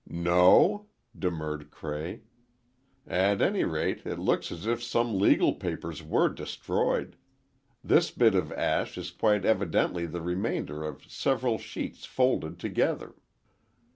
"No?" demurred Cray. "At any rate, it looks as if some legal papers were destroyed. This bit of ash is quite evidently the remainder of several sheets folded together."